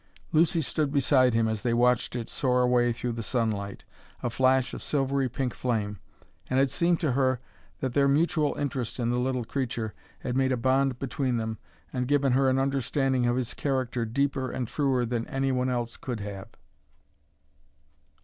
Lucy stood beside him as they watched it soar away through the sunlight, a flash of silvery pink flame, and it seemed to her that their mutual interest in the little creature had made a bond between them and given her an understanding of his character deeper and truer than any one else could have.